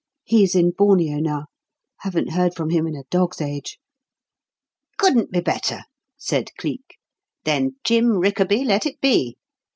He's in Borneo now. Haven't heard from him in a dog's age." "Couldn't be better," said Cleek. "Then 'Jim Rickaby' let it be.